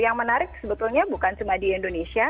yang menarik sebetulnya bukan cuma di indonesia